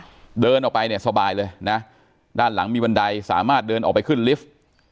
เดินออกไปเนี่ยสบายเลยนะด้านหลังมีบันไดสามารถเดินออกไปขึ้นลิฟท์